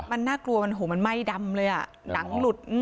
มันไม่ดำเลยหนังหลุด